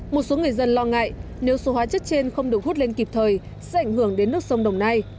một số người dân lo ngại nếu số hóa chất trên không được hút lên kịp thời sẽ ảnh hưởng đến nước sông đồng nai